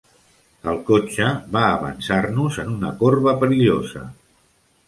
El cotxe va avançar-nos en una corba perillosa.